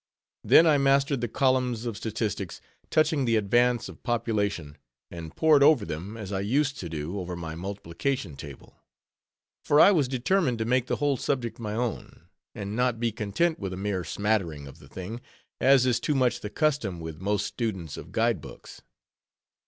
Then I mastered the columns of statistics, touching the advance of population; and pored over them, as I used to do over my multiplication table. For I was determined to make the whole subject my own; and not be content with a mere smattering of the thing, as is too much the custom with most students of guide books.